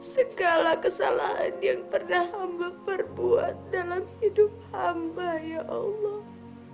segala kesalahan yang pernah hamba berbuat dalam hidup hamba ya allah